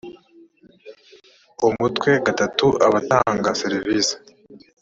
umutwe gatatu abatanga serivisi